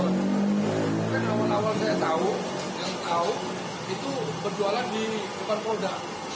mungkin awal awal saya tahu yang tahu itu berjualan di depan polda